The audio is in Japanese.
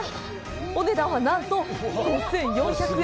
お値段はなんと５４００円！